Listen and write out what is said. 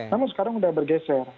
namun sekarang sudah bergeser